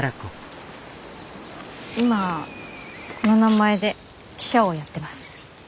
今この名前で記者をやってます。